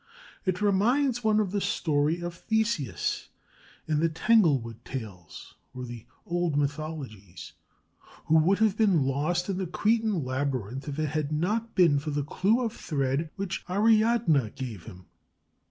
It reminds one of the story of Theseus (in the "Tanglewood Tales," or the old mythologies), who would have been lost in the Cretan labyrinth if it had not been for the clue of thread which Ariadne gave him.